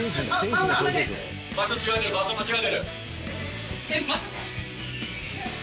場所違うね、場所間違えてる。